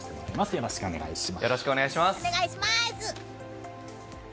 よろしくお願いします。